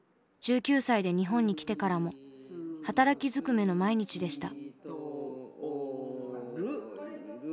１９歳で日本に来てからも働きずくめの毎日でした。